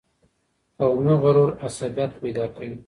قومي غرور عصبیت پیدا کوي.